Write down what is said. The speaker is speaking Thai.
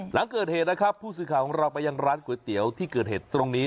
หลังเกิดเหตุนะครับผู้สื่อข่าวของเราไปยังร้านก๋วยเตี๋ยวที่เกิดเหตุตรงนี้